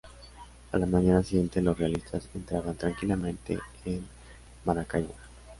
A la mañana siguiente los realistas, entraban tranquilamente en Maracaibo.